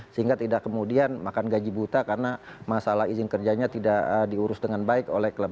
sehingga tidak kemudian makan gaji buta karena masalah izin kerjanya tidak diurus dengan baik oleh klub